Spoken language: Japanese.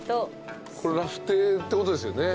ラフテーってことですよね。